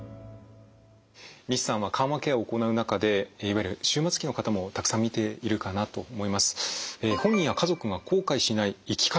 西さんは緩和ケアを行う中でいわゆる終末期の方もたくさん診ているかなと思います。